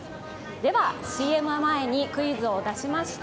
では、ＣＭ前にクイズを出しました。